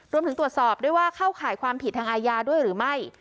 รวมถึงตรวจสอบด้วยว่าเข้าข่ายความผิดทางอาญาด้วยหรือไม่